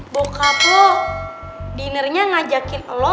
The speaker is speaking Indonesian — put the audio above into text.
bokap lo dinernya ngajakin lo